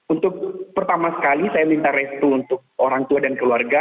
untuk pertama sekali saya minta restu untuk orang tua dan keluarga